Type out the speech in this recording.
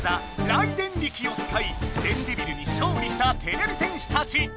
「ライデンリキ」をつかい電デビルにしょうりしたてれび戦士たち。